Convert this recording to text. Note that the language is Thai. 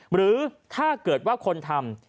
หรือถ้าเกิดว่าคนทำ